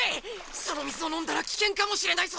そのみずをのんだらきけんかもしれないぞ！